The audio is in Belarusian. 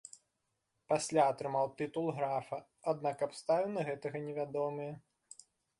Пасля атрымаў тытул графа, аднак абставіны гэтага невядомыя.